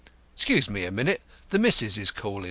Excuse me a minute, the missus is callin'."